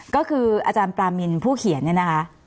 ก็คืออาจารย์ปรามินผู้เขียน